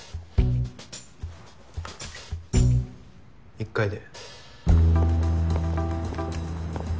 １回で。